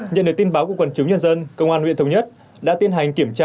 nhận được tin báo của quần chúng nhân dân công an huyện thống nhất đã tiến hành kiểm tra